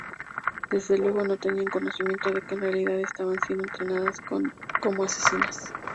Desde luego, no tenían conocimiento de que en realidad estaban siendo entrenadas como asesinas.